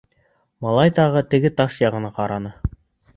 Малай тағы теге таш яғына ҡараны.